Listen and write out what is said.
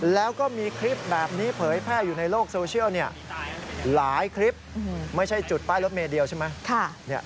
แล้วก็มีคลิปแบบนี้เผยแพร่อยู่ในโลกโซเชียลหลายคลิปไม่ใช่จุดป้ายรถเมย์เดียวใช่ไหม